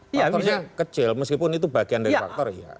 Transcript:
faktornya kecil meskipun itu bagian dari faktor ya